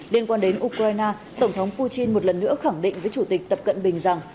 liên quan đến ukraine tổng thống putin một lần nữa khẳng định với chủ tịch tập cận bình rằng